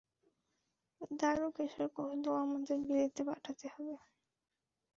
দারুকেশ্বর কহিল, আমাদের বিলেতে পাঠাতে হবে।